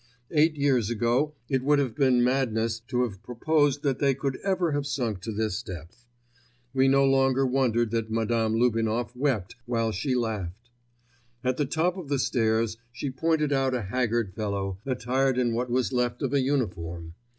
Eight years ago it would have been madness to have proposed that they could ever have sunk to this depth. We no longer wondered that Madame Lubinoff wept while she laughed. At the top of the stairs she pointed out a haggard fellow, attired in what was left of a uniform.